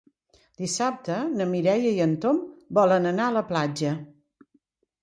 Dissabte na Mireia i en Tom volen anar a la platja.